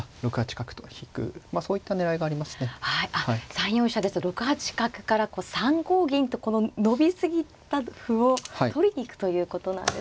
３四飛車ですと６八角から３五銀とこの伸び過ぎた歩を取りに行くということなんですね。